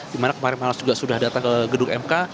dimana kemarin malas juga sudah datang ke gedung mk